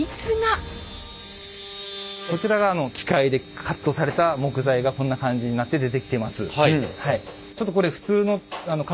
こちらがあの機械でカットされた木材がこんな感じになって出てきてます。